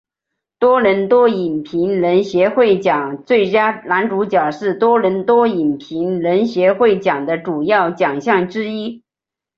多伦多影评人协会奖最佳男主角是多伦多影评人协会奖的主要奖项之一。